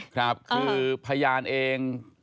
ครับคือพยานเอง